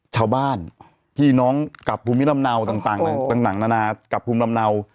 ชาวบ้านพี่น้องกับภูมิลำเนาต่างนานากับภูมิลำเนา